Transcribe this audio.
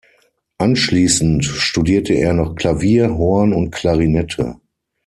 Anschließend studierte er noch Klavier, Horn und Klarinette.